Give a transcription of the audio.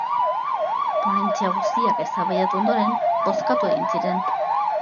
Ponentzia guztiak eztabaidatu ondoren, bozkatu egin ziren.